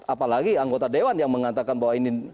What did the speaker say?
apalagi anggota dewan yang mengatakan bahwa ini